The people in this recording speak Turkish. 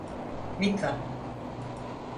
Mika…